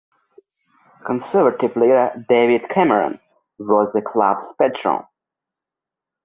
Conservative leader David Cameron was the club's patron.